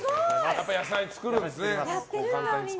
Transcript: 野菜作るんですね。